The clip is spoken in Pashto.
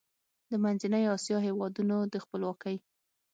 د منځنۍ اسیا هېوادونو د خپلواکۍ